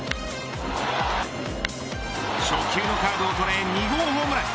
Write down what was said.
初球のカーブを捉え２号ホームラン。